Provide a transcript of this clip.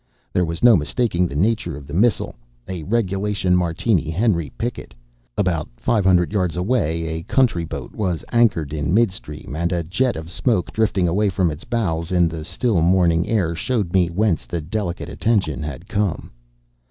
There was no mistaking the nature of the missile a regulation Martini Henry "picket." About five hundred yards away a country boat was anchored in midstream; and a jet of smoke drifting away from its bows in the still morning air showed me whence the delicate attention had come.